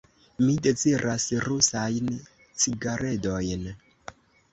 Mi deziras rusajn cigaredojn.